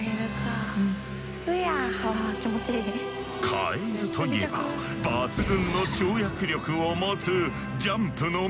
カエルといえば抜群の跳躍力を持つ